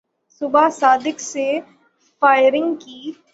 صبح صادق سے فائرنگ کی